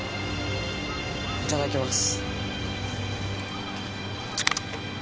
いただきます。